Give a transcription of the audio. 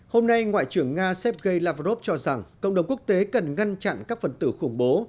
hôm nay ngoại trưởng nga sergei lavrov cho rằng cộng đồng quốc tế cần ngăn chặn các phần tử khủng bố